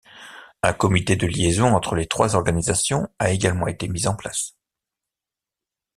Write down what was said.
Un comité de liaison entre les trois organisations a également été mis en place.